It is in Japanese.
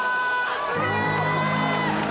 すげえ！